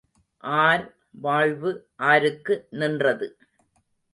R வாழ்வு ஆருக்கு நின்றது?